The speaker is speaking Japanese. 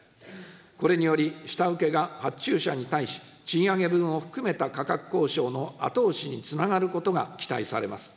これにより、下請けが発注者に対し、賃上げ分を含めた価格交渉の後押しにつながることが期待されます。